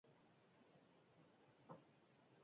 Noraino iristea gustatuko litzaizuke?